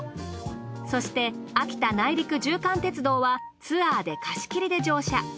そして秋田内陸縦貫鉄道はツアーで貸切で乗車。